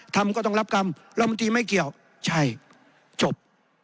ทำก็ต้องรับกรรมรัฐมนตรีไม่เกี่ยวใช่จบ